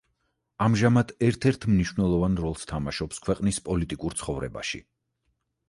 ამჟამად ერთ-ერთ მნიშვნელოვან როლს თამაშობს ქვეყნის პოლიტიკურ ცხოვრებაში.